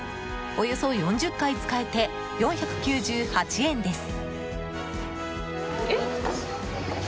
およそ４０回使えて４９８円です。